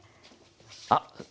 あっ！